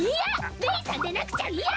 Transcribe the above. レイさんでなくちゃ嫌！